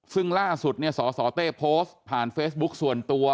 ซึ่งล่าสุดศศเต้โพสต์ผ่านเฟสบุ๊คส่วนตัว